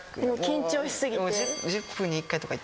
緊張しすぎて。